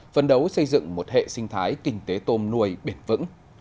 phân đấu xây dựng một hệ sinh thái kinh tế tôm nuôi bền vững